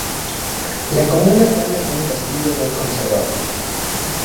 La comuna cuenta con un castillo bien conservado.